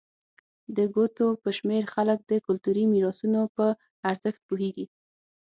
د ګوتو په شمېر خلک د کلتوري میراثونو په ارزښت پوهېږي.